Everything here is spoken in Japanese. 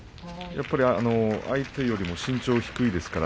相手よりも身長が低いですから